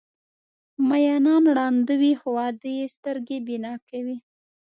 مینان ړانده وي خو واده یې سترګې بینا کوي.